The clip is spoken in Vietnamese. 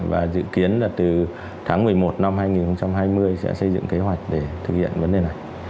và dự kiến là từ tháng một mươi một năm hai nghìn hai mươi sẽ xây dựng kế hoạch để thực hiện vấn đề này